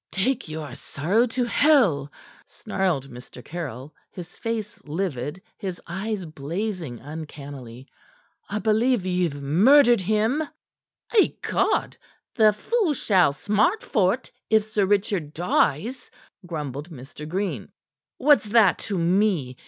"Take your sorrow to hell," snarled Mr. Caryll, his face livid, his eyes blazing uncannily. "I believe ye've murdered him." "Ecod! the fool shall smart for't if Sir Richard dies," grumbled Mr. Green. "What's that to me?